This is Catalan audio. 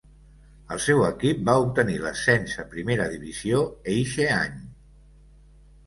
El seu equip va obtenir l'ascens a primera divisió eixe any.